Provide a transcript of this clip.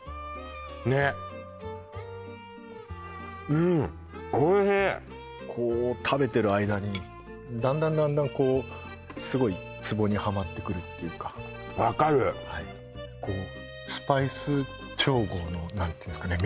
ねっうんおいしいこう食べてる間にだんだんだんだんこうすごいツボにはまってくるっていうか分かるスパイス調合の何て言うんですかね